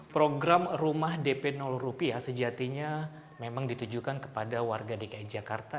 program rumah dp rupiah sejatinya memang ditujukan kepada warga dki jakarta